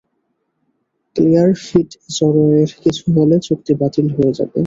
Claire ফিটজরয়ের কিছু হলে চুক্তি বাতিল হয়ে যাবে।